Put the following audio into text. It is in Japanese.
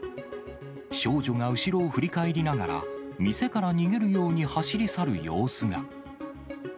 少女が後ろを振り返りながら、店から逃げるように走り去る様子が。